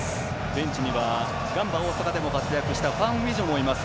ベンチにはガンバ大阪でも活躍したファン・ウィジョもいます。